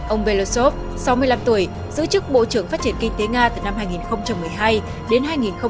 ông belosov sáu mươi năm tuổi giữ chức bộ trưởng phát triển kinh tế nga từ năm hai nghìn một mươi hai đến hai nghìn một mươi bảy